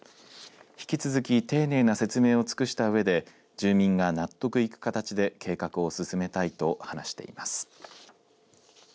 引き続き丁寧な説明を尽くしたうえで住民が納得いく形で計画を進めたいと話しています。